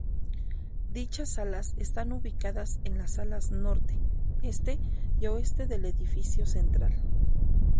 Dichas salas están ubicadas en las alas norte, este y oeste del edificio central.